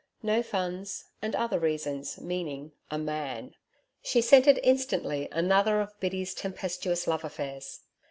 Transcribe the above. No funds and other reasons meaning a MAN. She scented instantly another of Biddy's tempestuous love affairs.